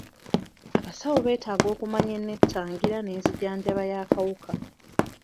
Abasawo beetaaga okumanya eneetangira n'enzijanjaba y'akawuka.